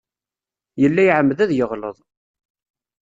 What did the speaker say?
Yella iεemmed ad yeɣleḍ.